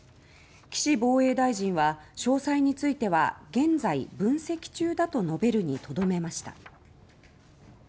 岸防衛大臣は詳細については「現在分析中だ」と述べるにとどめました。